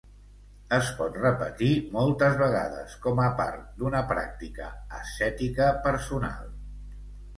Es pot repetir moltes vegades com a part d'una pràctica ascètica personal.